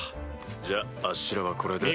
じゃあっしらはこれで。